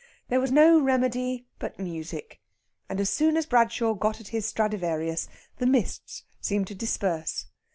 There was no remedy but music, and as soon as Bradshaw got at his Stradivarius the mists seemed to disperse.